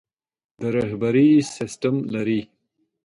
د رهبري سسټم لري.